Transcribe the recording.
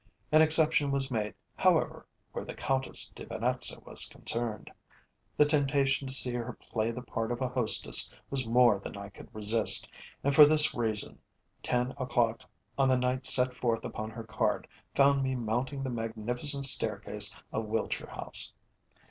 An exception was made, however, where the Countess de Venetza was concerned. The temptation to see her play the part of a hostess was more than I could resist, and for this reason, ten o'clock on the night set forth upon her card found me mounting the magnificent staircase of Wiltshire House.